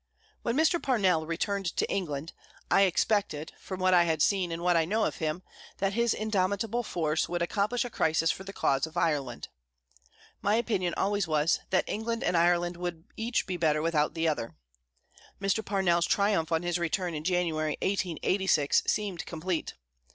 When Mr. Parnell returned to England, I expected, from what I had seen and what I knew of him, that his indomitable force would accomplish a crisis for the cause of Ireland. My opinion always was that England and Ireland would each be better without the other. Mr. Parnell's triumph on his return in January, 1886, seemed complete.